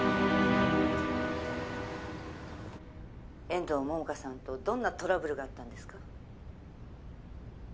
「遠藤桃花さんとどんなトラブルがあったんですか？」